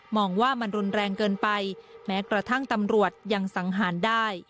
องว่ามันรุนแรงเกินไปแม้กระทั่งตำรวจยังสังหารได้